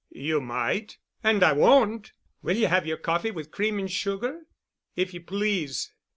"You might." "And I won't. Will you have your coffee with cream and sugar?" "If you please."